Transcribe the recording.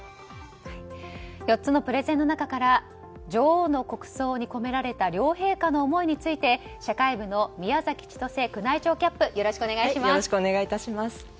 ４つのプレゼンの中から女王の国葬に込められた両陛下の思いについて社会部の宮崎千歳宮内庁キャップよろしくお願いします。